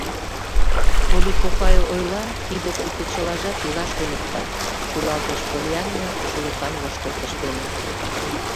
— Полли кокай ойла, тиде пуйто чылажат «илаш туныкта», — шӱлалтыш Поллианна шӱлыкан воштылтыш дене.